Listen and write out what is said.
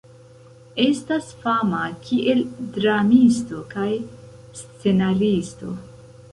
Estas fama kiel dramisto kaj scenaristo.